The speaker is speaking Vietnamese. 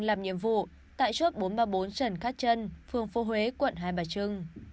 làm nhiệm vụ tại chốt bốn trăm ba mươi bốn trần khát trân phường phố huế quận hai bà trưng